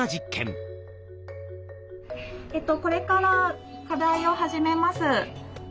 これから課題を始めます。